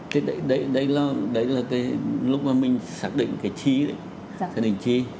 thì đấy là lúc mà mình xác định cái trí đấy xác định trí